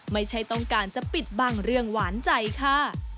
ไม่ใช่ต้องการจะปิดบังเรื่องหวานใจค่ะ